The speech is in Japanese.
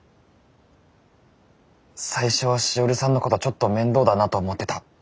最初はしおりさんのことちょっと面倒だなと思ってた。